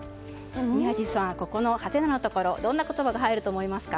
宮司さん、ここのハテナのところどんな言葉が入ると思いますか？